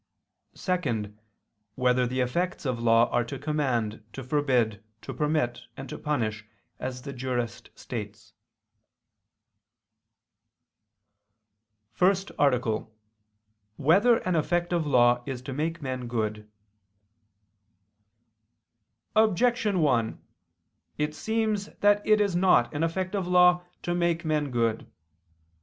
(2) Whether the effects of law are to command, to forbid, to permit, and to punish, as the Jurist states? ________________________ FIRST ARTICLE [I II, Q. 92, Art. 1] Whether an Effect of Law Is to Make Men Good? Objection 1: It seems that it is not an effect of law to make men good.